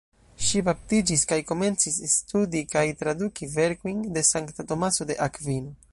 Ŝi baptiĝis kaj komencis studi kaj traduki verkojn de sankta Tomaso de Akvino.